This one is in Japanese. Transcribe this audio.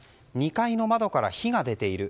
２階の窓から火が出ている。